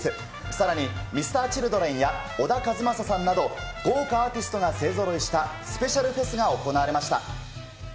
さらにＭｒ．Ｃｈｉｌｄｒｅｎや小田和正さんなど、豪華アーティストが勢ぞろいしたスペシャルフェスが行われました。